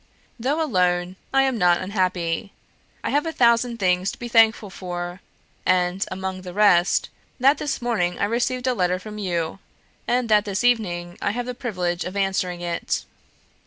Though alone, I am not unhappy; I have a thousand things to be thankful for, and, amongst the rest, that this morning I received a letter from you, and that this evening I have the privilege of answering it.